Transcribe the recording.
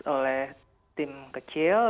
oleh tim kecil